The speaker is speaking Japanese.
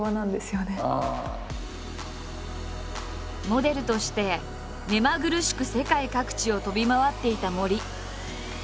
モデルとして目まぐるしく世界各地を飛び回っていた森。